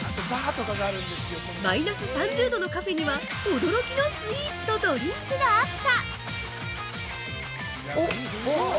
マイナス３０度のカフェには驚きのスイーツとドリンクがあった！